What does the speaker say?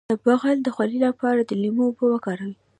د بغل د خولې لپاره د لیمو اوبه وکاروئ